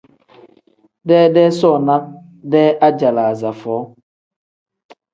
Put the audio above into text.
Deedee soona-dee ajalaaza foo.